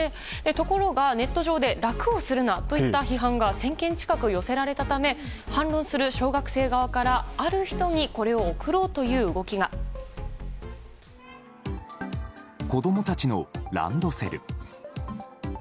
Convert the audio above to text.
ところが、ネット上で楽をするなといった批判が１０００件近く寄せられたため反論する小学生側から、ある人に子供たちのランドセル。